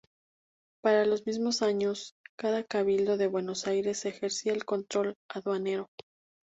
Para los mismos años, cada Cabildo de Buenos Aires ejercía el control aduanero.